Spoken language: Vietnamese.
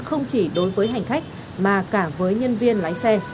không chỉ đối với hành khách mà cả với nhân viên lái xe